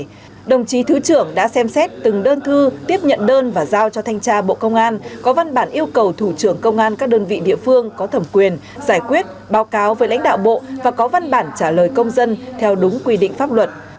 hôm nay đồng chí thứ trưởng đã xem xét từng đơn thư tiếp nhận đơn và giao cho thanh tra bộ công an có văn bản yêu cầu thủ trưởng công an các đơn vị địa phương có thẩm quyền giải quyết báo cáo với lãnh đạo bộ và có văn bản trả lời công dân theo đúng quy định pháp luật